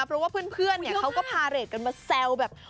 เพราะว่าเพื่อนเขาก็พาเรทกันมาแซวแบบ